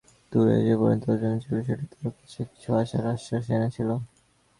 দূরের যে পরিণতি অজানা ছিল সেইটি তাঁর কাছে কিছু আশার আশ্বাস এনেছিল।